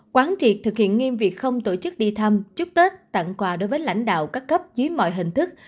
quán triệt thực hiện nghiêm việc không tổ chức đi thăm chúc tết tặng quà đối với lãnh đạo các cấp dưới mọi hình thức